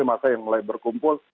masa yang mulai berkumpul